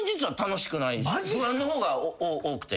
不安の方が多くて。